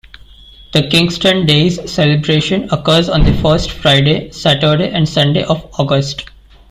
The Kingston Days celebration occurs on the first Friday, Saturday and Sunday of August.